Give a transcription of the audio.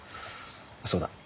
そうだ。